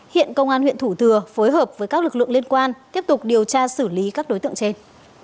hiện công an huyện thủ thừa phối hợp với các lực lượng liên quan tiếp tục điều tra xử lý các đối tượng trên